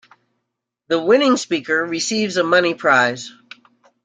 The winning speaker receives a money prize.